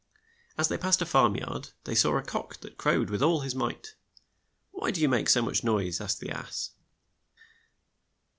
As they passed a farm yard, they saw a cock that crowed with all his might. "Why do you make so much noise ?'' asked the ass.